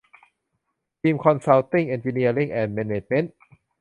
ทีม คอนซัลติ้ง เอนจิเนียริ่ง แอนด์ แมเนจเมนท์